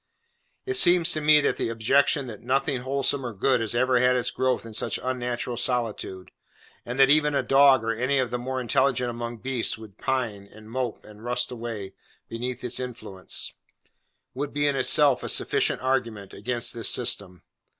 It seems to me that the objection that nothing wholesome or good has ever had its growth in such unnatural solitude, and that even a dog or any of the more intelligent among beasts, would pine, and mope, and rust away, beneath its influence, would be in itself a sufficient argument against this system.